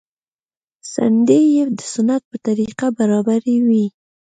څنډې يې د سنت په طريقه برابرې وې.